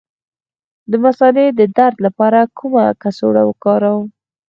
د مثانې د درد لپاره کومه کڅوړه وکاروم؟